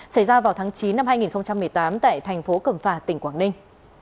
xảy ra vào tháng chín năm hai nghìn một mươi tám tại thành phố cầm phà tỉnh quảng ninh